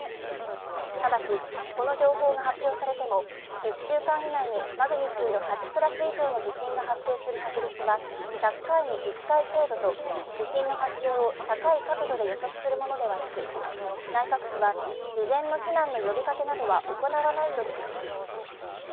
ただしこの情報が発表されても１週間以内にマグニチュード８クラス以上の地震が発生する確率は１００回に１回程度と地震の発生を高い確度で予測するものではなく内閣府は事前の避難の呼びかけなどは行わないとしています